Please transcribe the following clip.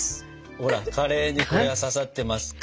ほらカレーにこれは刺さってますか？